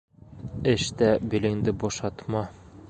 Эштә билеңде бушатма.